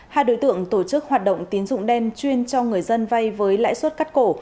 hai đối tượng tổ chức hoạt động tín dụng đen chuyên cho người dân vay với lãi suất cắt cổ